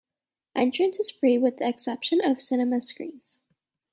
Entrance is free with the exception of cinema screens.